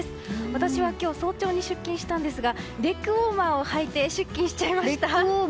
私は今日早朝に出勤したんですがネッグウォーマーをはいて出勤しました。